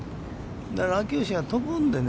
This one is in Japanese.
だから秋吉は飛ぶんでね